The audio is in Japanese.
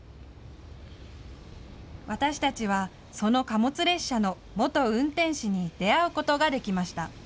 私たちはその貨物列車の元運転士に出会うことができました。